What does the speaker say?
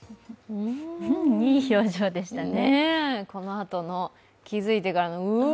いい表情でしたね。